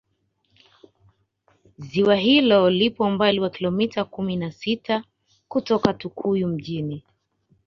ziwa hilo lipo umbali wa Kilomita kumi na sita kutokea tukuyu mjini